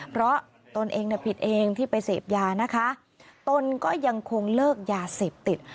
เพราะตนเองผิดเองที่ไปเสพยานะคะตนก็ยังคงเลิกยาเสพติด